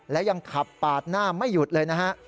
และยังขับปาดหน้าไม่หยุดเลยนะฮะ